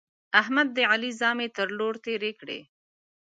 احمد د علي زامې تر له ور تېرې کړې.